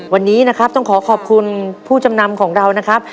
วันนี้นะครับต้องขอขอบคุณผู้จำนำของเรานะครับ